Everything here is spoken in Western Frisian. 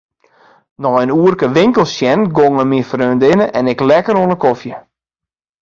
Nei in oerke winkels sjen gongen myn freondinne en ik lekker oan 'e kofje.